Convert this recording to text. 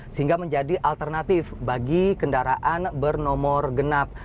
sehingga menjadi alternatif bagi kendaraan bernomor genap